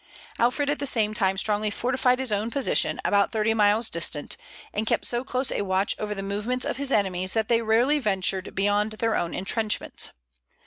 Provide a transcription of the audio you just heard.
Alfred at the same time strongly fortified his own position, about thirty miles distant, and kept so close a watch over the movements of his enemies that they rarely ventured beyond their own intrenchments.